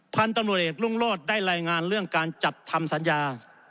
พันธุรกิจลุงโลศได้รายงานเรื่องการจัดทำสัญญา